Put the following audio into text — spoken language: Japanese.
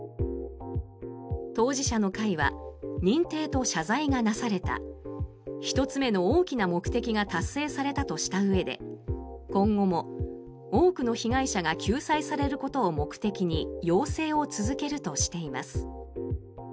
当事者の会は認定と謝罪がなされた１つ目の大きな目的が達成されたとしたうえで今後も、多くの被害者が救済されることを目的に要請を続けるとしています。